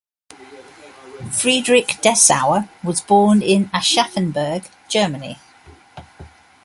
Friedrich Dessauer was born in Aschaffenburg, Germany.